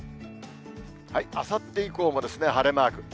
あさって以降も晴れマーク。